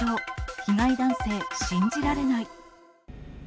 被害男性、信じられない。